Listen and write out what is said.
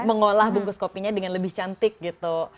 mengolah bungkus kopinya dengan lebih cantik gitu